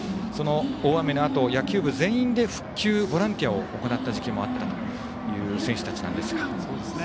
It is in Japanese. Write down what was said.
その大雨のあと野球部全員で復旧ボランティアを行った時期もあったという選手たちなんですが。